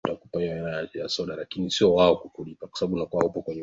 Jacob alipofika sehemu ambayo sasa alikuwa nyuma ya mtu huyo alimuangalia na kuvuta pumzi